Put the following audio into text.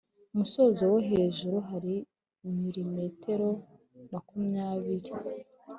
musozo wo hejuru hari milimetero makumyabiri